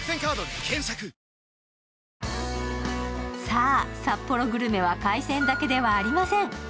さぁ、札幌グルメは海鮮だけではありません。